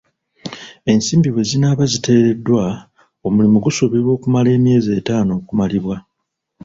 Ensimbi bwe zinaaba ziteereddwa, omulimu gusuubirwa okumala emyezi etaano okumalibwa